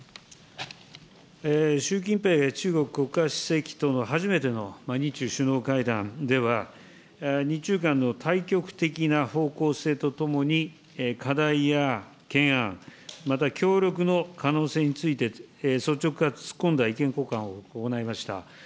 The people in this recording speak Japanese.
習近平中国国家主席との初めての日中首脳会談では、日中間の大局的な方向性とともに、課題や懸案、また協力の可能性について、率直かつ突っ込んだ意見交換を行いました。